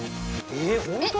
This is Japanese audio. えっホント？